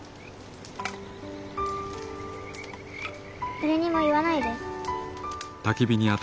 誰にも言わないで。